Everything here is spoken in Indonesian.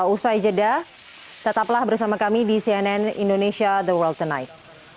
usai jeda tetaplah bersama kami di cnn indonesia the world tonight